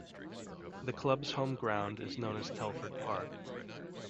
The club's home ground is known as Telford Park.